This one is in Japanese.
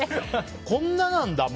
こんななんだ。